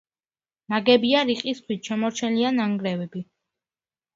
ნაგებია რიყის ქვით, შემორჩენილია ნანგრევები.